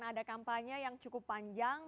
ada kampanye yang cukup panjang